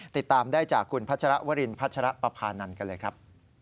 ติดตามได้จากคุณพัชรวรินพัชรปภานันทร์กันเลยครับ